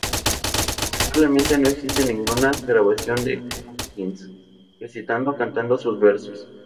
Lamentablemente no existe ninguna grabación de Hopkins recitando o cantando sus versos.